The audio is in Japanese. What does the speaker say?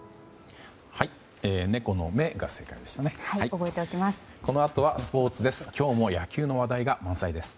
猫の目が正解でしたね。